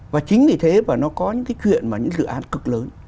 và chính vì thế và nó có những cái chuyện mà những dự án cực lớn